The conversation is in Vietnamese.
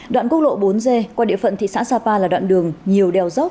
đoạn quốc lộ bốn g qua địa phận thị xã sapa là đoạn đường nhiều đeo dốc